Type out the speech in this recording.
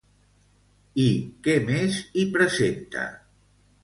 I què més hi presenta?